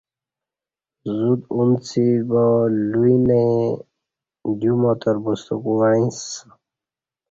زوت انڅیبا لوی نہ ییں دیوماتربوستہ کو وعیں سہ